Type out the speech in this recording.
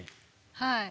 はい。